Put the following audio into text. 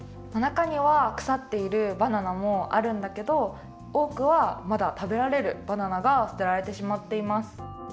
なかにはくさっているバナナもあるんだけどおおくはまだ食べられるバナナがすてられてしまっています。